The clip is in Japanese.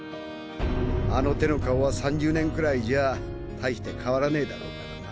あの手の顔は３０年くらいじゃ大して変わらねぇだろうからな。